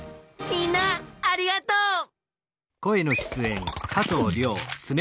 みんなありがとう！